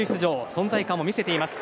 存在感を見せています。